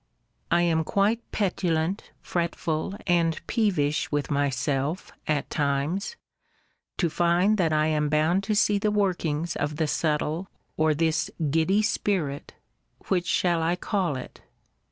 I am quite petulant, fretful, and peevish, with myself, at times, to find that I am bound to see the workings of the subtle, or this giddy spirit, which shall I call it?